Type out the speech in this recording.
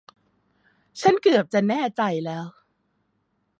ฉันเกือบจะแน่ใจแล้ว